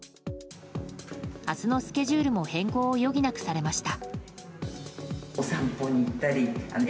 明日のスケジュールも変更を余儀なくされました。